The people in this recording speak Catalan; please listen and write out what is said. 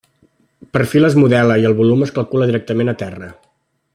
Perfil es modela i el volum es calcula directament a terra.